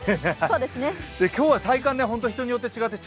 今日は体感、人によって違って